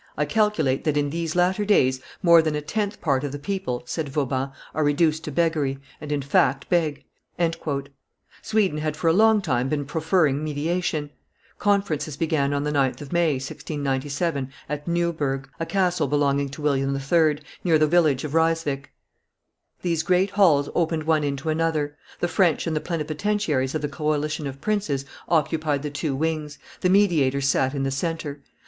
"I calculate that in these latter days more than a tenth part of the people," said Vauban, "are reduced to beggary, and in fact beg." Sweden had for a long time been proffering mediation: conferences began on the 9th of May, 1697, at Nieuburg, a castle belonging to William III., near the village of Ryswick. These great halls opened one into another; the French and the plenipotentiaries of the coalition of princes occupied the two wings, the mediators sat in the centre.